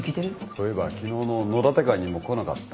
そういえば昨日の野立会にも来なかった。